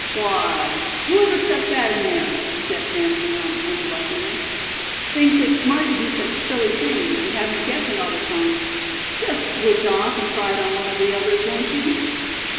"Why, whoever stuck that in there?" Step Hen went on, unblushingly. "Thinks it smart to do such silly things, and have me guessing all the time. Just switch off, and try it on one of the others, won't you?"